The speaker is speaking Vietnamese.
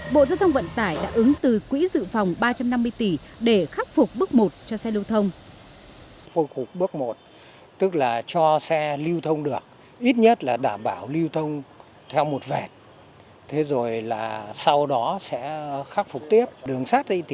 bộ giao thông vận tải đã ứng từ quỹ dự phòng ba trăm năm mươi tỷ để khắc phục bước một cho xe lưu thông